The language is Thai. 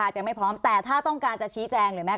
ยังไม่พร้อมแต่ถ้าต้องการจะชี้แจงหรือแม้